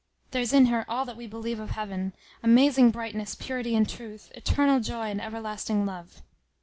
There's in her all that we believe of heav'n, Amazing brightness, purity, and truth, Eternal joy and everlasting love.